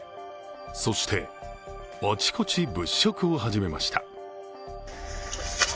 そして、あちこち物色を始めました。